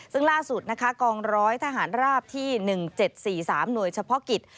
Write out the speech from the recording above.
ซึ่งล่าสุดนะคะกองร้อยทหารราบที่๑๗๔๓หน่วยเฉพาะกิจ